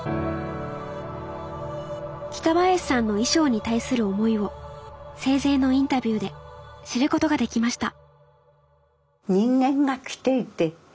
北林さんの衣装に対する思いを生前のインタビューで知ることができました